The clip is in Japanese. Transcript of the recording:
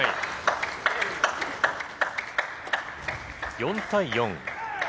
４対４。